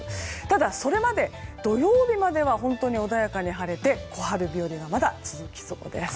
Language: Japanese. ただ、それまで土曜日までは本当に穏やかに晴れて小春日和はまだ続きそうです。